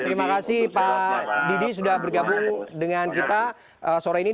terima kasih pak didi sudah bergabung dengan kita sore ini